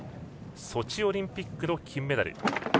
ソチオリンピックの金メダル